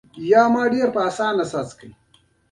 ترکي متل وایي غلطه لاره پرېږدئ او را وګرځئ.